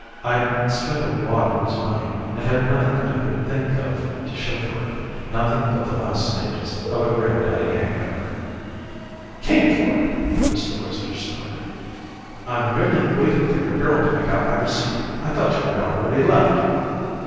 I'd spent a wad of his money and had nothing I could think of to show for it; nothing but the last stages of a grand daddy hangover. "Came for?" Mr. Oyster snorted. "I'm merely waiting for your girl to make out my receipt. I thought you had already left."